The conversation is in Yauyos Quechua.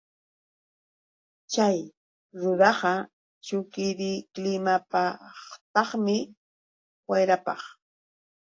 Chay rudaqa chukidiklimapaqtaqmi, wayrapaq.